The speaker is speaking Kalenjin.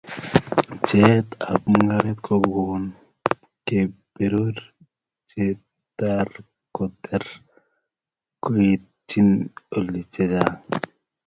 Pcheet ab mungaret kokon kebeberuek cheter kotereti koityin olik chechang